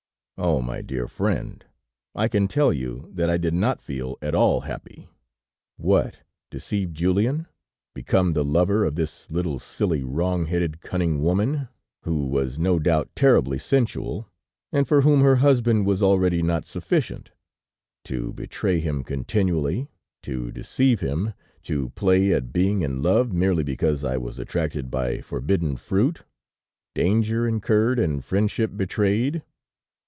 "Oh! My dear friend, I can tell you that I did not feel at all happy! What! deceive Julien? become the lover of this little silly, wrong headed, cunning woman, who was no doubt terribly sensual, and for whom her husband was already not sufficient! To betray him continually, to deceive him, to play at being in love merely because I was attracted by forbidden fruit, danger incurred and friendship betrayed!